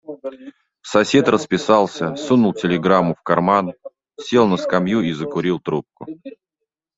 Сосед расписался, сунул телеграмму в карман, сел на скамью и закурил трубку.